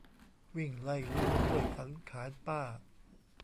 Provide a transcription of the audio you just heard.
วิ่งไล่ลุงด้วยสังขารป้า